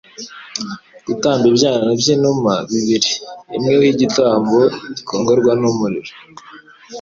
gutamba ibyana by'inuma bibiri: imwe ho igitambo gikongorwa n'umuriro,